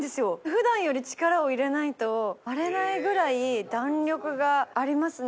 普段より力を入れないと割れないぐらい弾力がありますね。